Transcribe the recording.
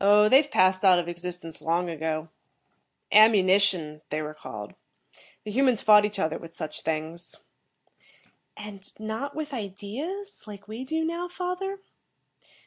"Oh, they've passed out of existence long ago. 'Ammunition' they were called. The humans fought each other with such things." "And not with ideas, like we do now, father?"